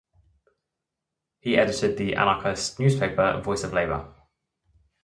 He edited the anarchist newspaper Voice of Labor.